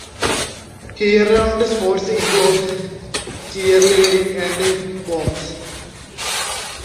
Year-round sports include cheerleading and poms.